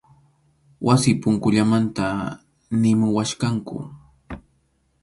Wasi punkullamanta nimuwachkanku.